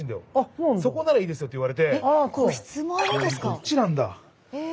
こっちなんだ。